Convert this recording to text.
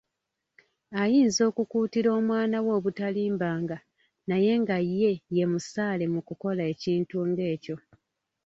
Ayinza okukuutira omwana we obutalimbanga, naye nga ye ye musaale mu kukola ekintu ng'ekyo.